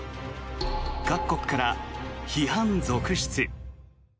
各国から批判続出。